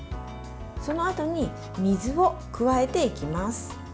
そのあとに水を加えていきます。